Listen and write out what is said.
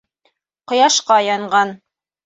Ҡояшҡа янған.